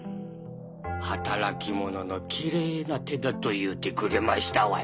働き者のきれいな手だと言うてくれましたわい。